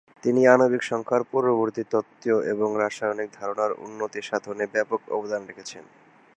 তিনি আণবিক সংখ্যার পূর্ববর্তী তত্ত্বীয় এবং রাসায়নিক ধারণার উন্নতি সাধনে ব্যাপক অবদান রেখেছেন।